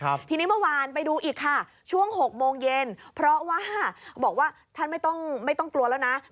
ตอนตีตอน๑๐จ้าเมื่อวานไปดูอีกกี่เชอง๖เดือนเช่นเพราะว่าท่านไม่ต้องกลัว